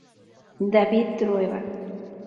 David Trueba.